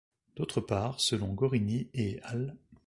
D’autre part, selon Gorini et al.